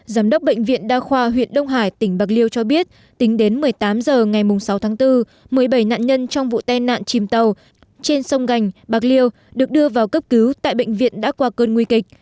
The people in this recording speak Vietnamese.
giám đốc bệnh viện đa khoa huyện đông hải tỉnh bạc liêu cho biết tính đến một mươi tám h ngày sáu tháng bốn một mươi bảy nạn nhân trong vụ tai nạn chìm tàu trên sông gành bạc liêu được đưa vào cấp cứu tại bệnh viện đã qua cơn nguy kịch